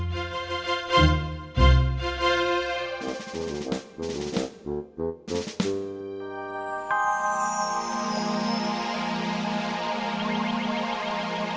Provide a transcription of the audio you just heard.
jangan lupa like share dan subscribe ya